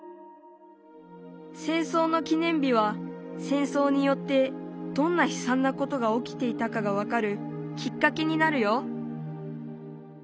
戦争の記念日は戦争によってどんなひさんなことが起きていたかが分かるきっかけになるよ。